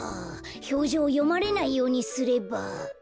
ひょうじょうをよまれないようにすれば。